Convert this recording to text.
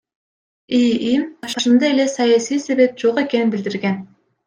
ИИМ башында эле саясий себеп жок экенин билдирген.